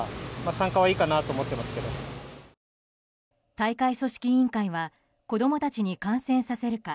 大会組織委員会は子供たちに観戦させるか